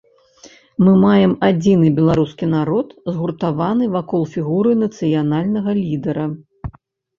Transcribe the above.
Мы маем адзіны беларускі народ, згуртаваны вакол фігуры нацыянальнага лідара.